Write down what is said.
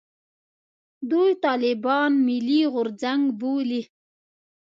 دوی طالبان «ملي غورځنګ» بولي.